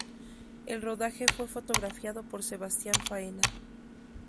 El rodaje fue fotografiado por Sebastian Faena.